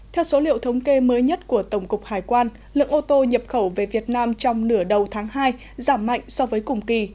theo số liệu thống kê mới nhất của tổng cục hải quan lượng ô tô nhập khẩu về việt nam trong nửa đầu tháng hai giảm mạnh so với cùng kỳ